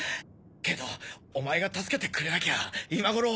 けどお前が助けてくれなきゃ今ごろ。